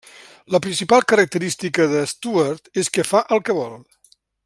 La principal característica de Stuart és que fa el que vol.